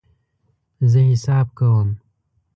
زه حساب کوم